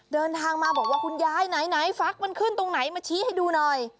เดินทางมาบอกว่าคุณยายไหนฟักมันขึ้นตรงไหนมาชี้ให้ดูหน่อย